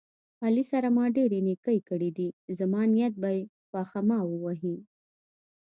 علي سره ما ډېرې نیکۍ کړې دي، زما نیت به یې خواخما وهي.